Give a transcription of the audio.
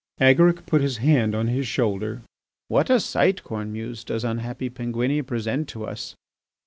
Agaric put his hand on his shoulder. "What a sight, Cornemuse, does unhappy Penguinia present to us!